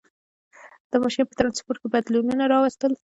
• دا ماشین په ټرانسپورټ کې بدلونونه راوستل.